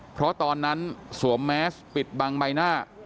เพราะตอนนั้นสวมแมสปิดบังใบหน้า